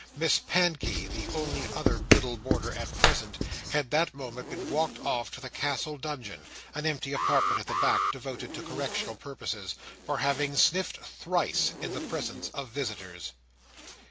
Miss Pankey, the only other little boarder at present, had that moment been walked off to the Castle Dungeon (an empty apartment at the back, devoted to correctional purposes), for having sniffed thrice, in the presence of visitors.